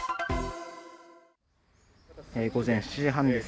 午前７時半です。